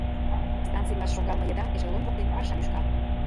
Станцийлаш шогалме еда эшелон воктен паша лӱшка.